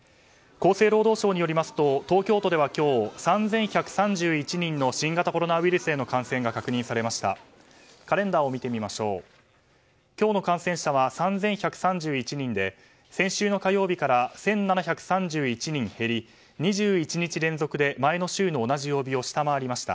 厚生労働省によりますと東京都では今日３１３１人の新型コロナウイルスへの感染が確認されました。